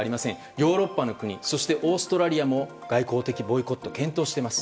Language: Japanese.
ヨーロッパの国そして、オーストラリアも外交的ボイコットを検討しています。